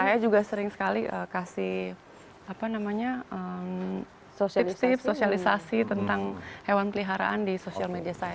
saya juga sering sekali kasih tentang hewan peliharaan di sosial media saya